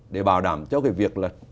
để bảo đảm cho cái việc là